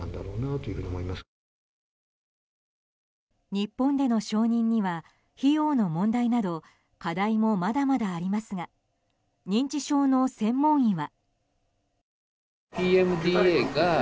日本での承認には費用の問題など課題もまだまだありますが認知症の専門医は。